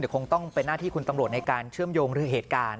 คงต้องเป็นหน้าที่คุณตำรวจในการเชื่อมโยงหรือเหตุการณ์